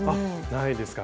ないですか。